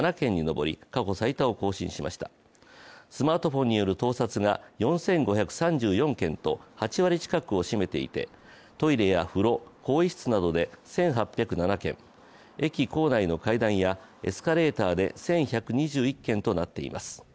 スマートフォンによる盗撮が４５３４件と８割近くを占めていて、トイレや風呂、更衣室などで１８０７件、駅構内の階段やエスカレーターで１１２１件となっています。